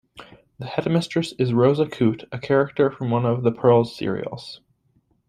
The headmistress is Rosa Coote, a character from one of "The Pearl's" serials.